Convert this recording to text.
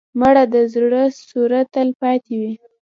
مړه د زړه سوره تل پاتې وي